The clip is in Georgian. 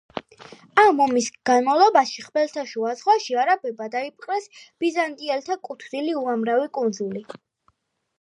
ამ ომის განმავლობაში, ხმელთაშუა ზღვაში არაბებმა დაიპყრეს ბიზანტიელთა კუთვნილი უამრავი კუნძული.